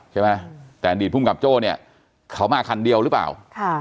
ใช่ไหมแต่อดีตภูมิกับโจ้เนี่ยเขามาคันเดียวหรือเปล่าค่ะ